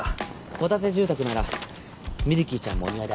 戸建て住宅ならミルキーちゃんもお庭で遊べます。